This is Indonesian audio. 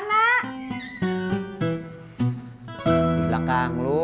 di belakang lu